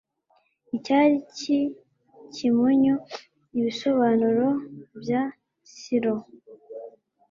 icyari cy'ikimonyo, ibisobanuro bya ciron